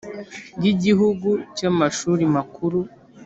y Igihugu y Amashuri Makuru